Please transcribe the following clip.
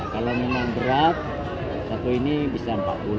kalau memang berat satu ini bisa empat puluh